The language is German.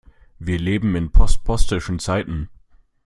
Wir leben in postpostischen Zeiten.